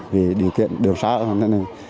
vì điều kiện đường xa hơn thế này